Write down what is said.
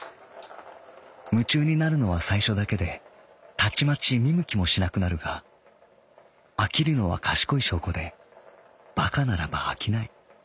「夢中になるのは最初だけでたちまち見向きもしなくなるが飽きるのは賢い証拠でバカならば飽きない」。